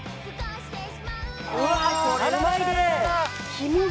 うわこれうまいで。